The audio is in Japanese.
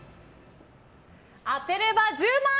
当てれば１０万円！